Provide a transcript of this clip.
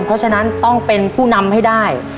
เพราะฉะนั้นต้องเป็นผู้นำให้ได้